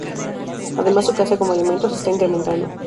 Además su caza como alimento se está incrementando.